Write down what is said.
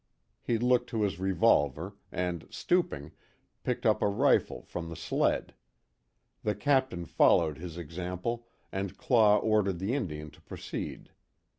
He looked to his revolver, and stooping, picked up a rifle from the sled. The Captain followed his example, and Claw ordered the Indian to proceed.